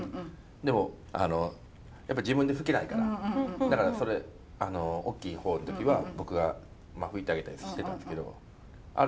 でもあのやっぱ自分で拭けないからだから大きい方の時は僕が拭いてあげたりしてたんですけどある